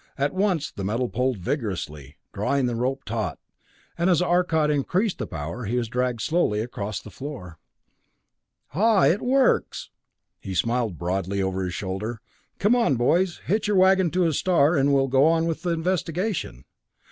At once the metal pulled vigorously, drawing the rope taut, and as Arcot increased the power, he was dragged slowly across the floor. "Ah it works." He grinned broadly over his shoulder. "Come on, boys, hitch your wagon to a star, and we'll go on with the investigation.